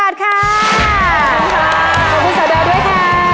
ขอบคุณสดอด้วยค่ะ